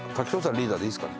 リーダーでいいですかね？